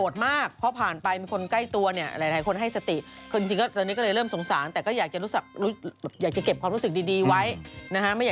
ทำไมไปแล้วละเรา